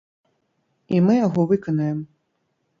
І мы яго выканаем.